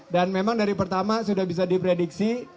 dan memang dari pertama sudah bisa diprediksi